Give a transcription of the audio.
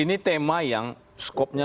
ini tema yang skopnya